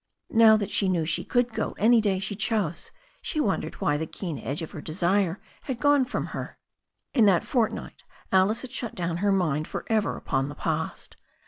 Now that she knew she could go any day she chose, she wondered why the keen edge of her desire had gone from her. In that fortnight Alice had shut down her mind for ever upon the past.